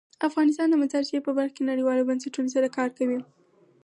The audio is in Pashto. افغانستان د مزارشریف په برخه کې نړیوالو بنسټونو سره کار کوي.